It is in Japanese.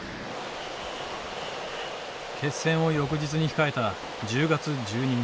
決戦を翌日に控えた１０月１２日。